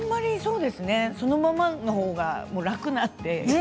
そのままの方が楽なんで。